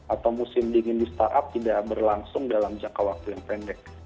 atau musim dingin di startup tidak berlangsung dalam jangka waktu yang pendek